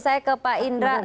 saya ke pak indra